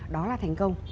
đó là thành công